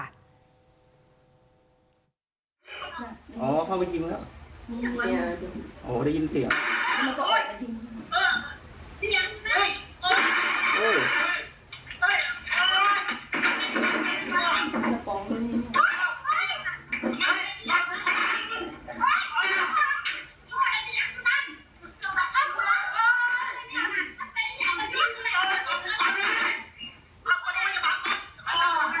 หมูกะทะเนี่ยวงแตกเลยคุณผู้ชมค่ะ